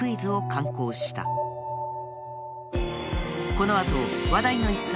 ［この後話題の一冊］